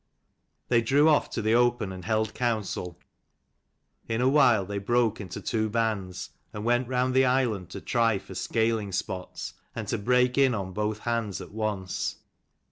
They drew off to the open and held council. In a while they broke into two bands, and went round the island to try for scaling spots, and to break in on both hands at once.